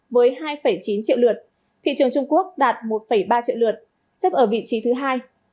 với hai chín triệu lượt thị trường trung quốc đạt một ba triệu lượt xếp ở vị trí thứ hai